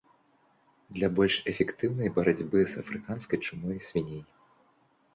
Для больш эфектыўнай барацьбы з афрыканскай чумой свіней.